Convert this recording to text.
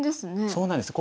そうなんです